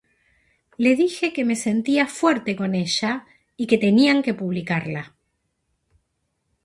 Le dije que me sentía fuerte con ella y que tenían que publicarla.